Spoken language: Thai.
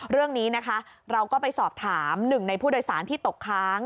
เรื่องนี้นะคะเราก็ไปสอบถามหนึ่งในผู้โดยสารที่ตกค้าง